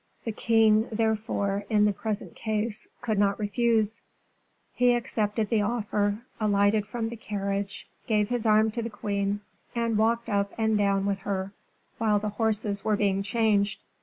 The king, therefore, in the present case, could not refuse; he accepted the offer, alighted from the carriage, gave his arm to the queen, and walked up and down with her while the horses were being changed.